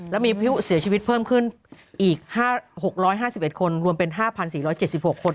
และมีผู้เสียชีวิตเพิ่มขึ้นอีก๖๕๑คนรวมเป็น๕๔๗๖คน